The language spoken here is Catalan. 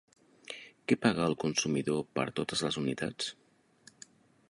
Què paga el consumidor per totes les unitats?